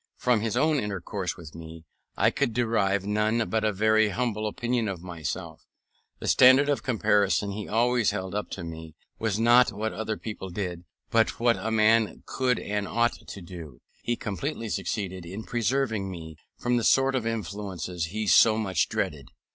From his own intercourse with me I could derive none but a very humble opinion of myself; and the standard of comparison he always held up to me, was not what other people did, but what a man could and ought to do. He completely succeeded in preserving me from the sort of influences he so much dreaded.